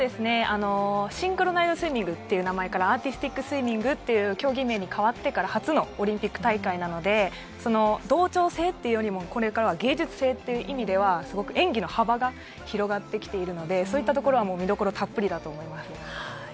シンクロナイズドスイミングっていう名前からアーティスティックスイミングに競技名が変わってから初のオリンピック大会なので同調性というよりもこれからは芸術性という意味では演技の幅が広がってきてるので、見どころたっぷりだと思います。